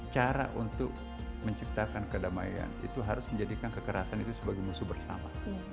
cara untuk menciptakan kedamaian itu harus menjadikan kekerasan itu sebagai musuh bersama